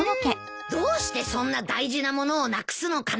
どうしてそんな大事なものをなくすのかな？